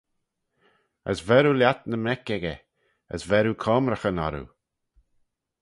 As ver oo lhiat ny mec echey, as ver oo coamraghyn orroo.